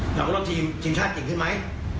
หลังว่าลดทีมทีมชาติกลัวไหม